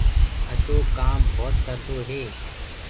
اشوڪ ڪآم ڀوت ڪردو هي۔